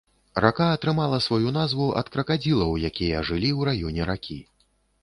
Рака атрымала сваю назву ад кракадзілаў, якія жылі ў раёне ракі.